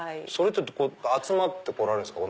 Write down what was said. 集まってこられるんですか？